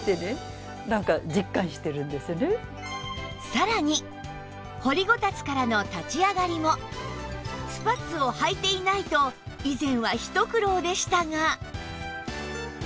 さらに掘りごたつからの立ち上がりもスパッツをはいていないと以前は一苦労でしたが